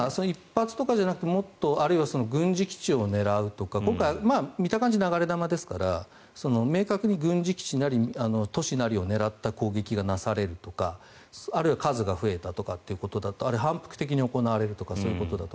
１発ではなくて軍事基地を狙うとか今回、見た感じは流れ弾ですから明確に軍事基地なり都市なりを狙った攻撃がなされるとかあるいは数が増えたということだとあるいは反復的に行われるとか。